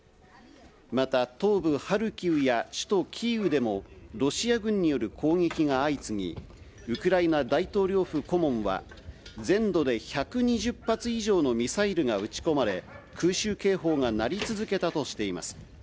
また、東部ハルキウや首都キーウでも、ロシア軍による攻撃が相次ぎ、ウクライナ大統領府顧問は、全土で１２０発以上のミサイルが撃ち込まれ、空襲警報が鳴り続けたとしています。